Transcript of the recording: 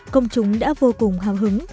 công chúng đã vô cùng hào hứng